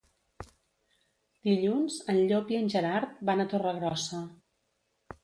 Dilluns en Llop i en Gerard van a Torregrossa.